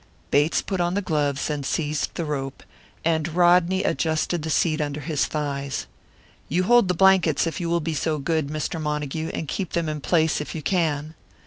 Bates put on the gloves and seized the rope, and Rodney adjusted the seat under his thighs. "You hold the blankets, if you will be so good, Mr. Montague, and keep them in place, if you can."